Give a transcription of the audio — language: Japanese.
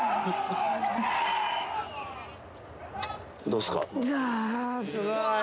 どうっすか？